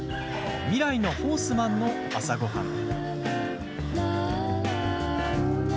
未来のホースマンの朝ごはん。